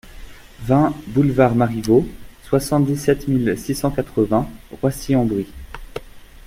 vingt boulevard Marivaux, soixante-dix-sept mille six cent quatre-vingts Roissy-en-Brie